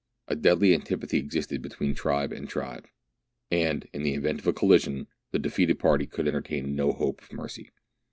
A deadly antipathy existed between tribe and tribe, and, in the event of a colli fiion, the defeated party could entertain no hope of mercy.